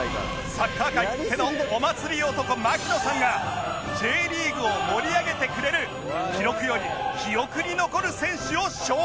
サッカー界きってのお祭り男槙野さんが Ｊ リーグを盛り上げてくれる記録より記憶に残る選手を紹介します！